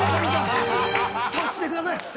察してください。